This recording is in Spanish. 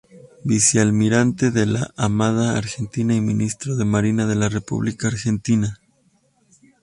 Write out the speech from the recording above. Vicealmirante de la Armada Argentina y Ministro de Marina de la República Argentina.